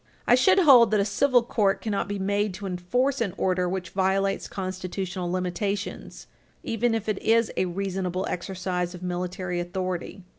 I should hold that a civil court cannot be made to enforce an order which violates constitutional limitations even if it is a reasonable exercise of military authority.